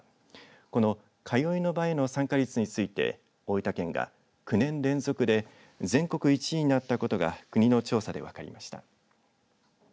この通いの場への参加率について大分県が９年連続で全国１位になったことが国の調査で分かりました。